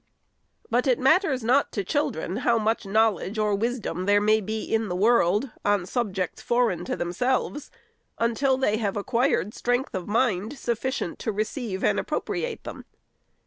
But it mat ters not to children, how much knowledge or wisdom there may be in the world, on subjects foreign to them selves, until they have acquired strength of mind suffi cient to receive and appropriate them.